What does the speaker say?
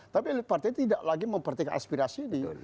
tapi elit partai tidak lagi mempertikan aspirasi ini